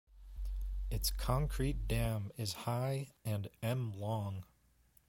Its concrete dam is high and m long.